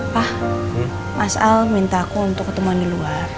pa mas al minta aku untuk ketemuan di luar